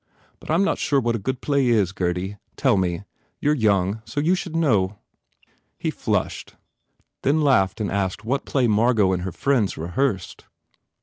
... But I m not sure what a good play is, Gurdy. Tell me. You re young, so you should know." He flushed, then laughed and asked what play Margot and her friends rehearsed.